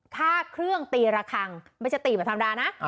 ค่าเครื่องตีระคังไม่ใช่ตีแบบธรรมดานะ